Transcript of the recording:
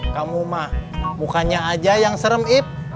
kamu mah bukannya aja yang serem ip